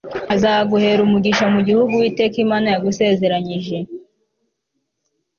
azaguhera umugisha mu gihugu uwiteka imana yagusezeranyije